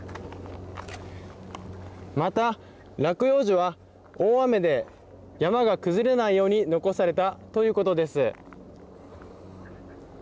また、落葉樹は大雨で山が崩れないように残されたということです。